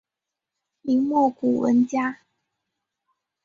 明末古文家。